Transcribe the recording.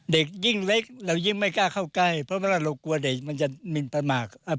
เด็กยิ่งเล็กเรายิ่งไม่กล้าเข้าใกล้เพราะว่าเรากลัวเด็กมันจะมินประมาท